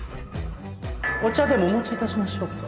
お茶でもお持ち致しましょうか。